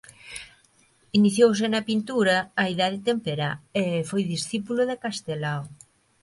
Iniciouse na pintura a idade temperá e foi discípulo de Castelao.